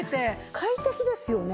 快適ですよね。